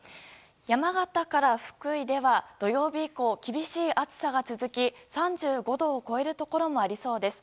山形から福井では土曜日以降、厳しい暑さが続き３５度を超えるところもありそうです。